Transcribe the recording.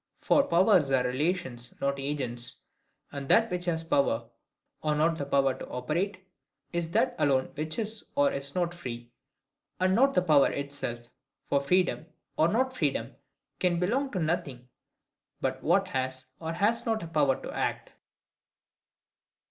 For powers are relations, not agents: and that which has the power or not the power to operate, is that alone which is or is not free, and not the power itself. For freedom, or not freedom, can belong to nothing but what has or has not a power to act.